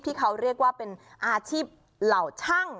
ที่เขาเรียกว่าเป็นอาชีพเหล่าช่าง